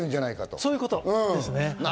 そういうことです。